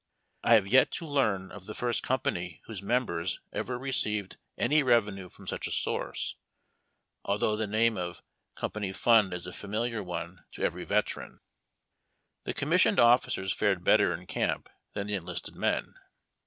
I have yet to learn of the first company whose members ever received any revenue from such a source, although the name of Com pany Fund is a familiar one to every veteran. The commissioned officers fared better in camp than the enlisted men.